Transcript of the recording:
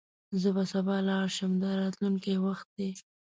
زه به سبا لاړ شم – دا راتلونکی وخت دی.